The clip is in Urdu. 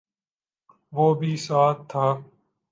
وہ بھی ساتھ تھا